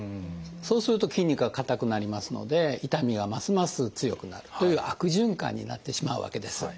そうすると筋肉が硬くなりますので痛みがますます強くなるという悪循環になってしまうわけです。